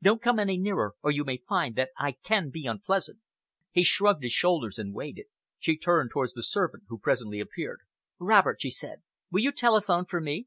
"Don't come any nearer, or you may find that I can be unpleasant." He shrugged his shoulders and waited. She turned towards the servant who presently appeared. "Robert," she said, "will you telephone for me?"